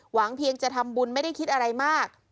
เพียงจะทำบุญไม่ได้คิดอะไรมาก